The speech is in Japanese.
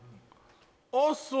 あっそう？